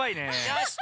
よし！